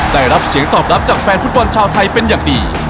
ได้รับเสียงตอบรับจากแฟนฟุตบอลชาวไทยเป็นอย่างดี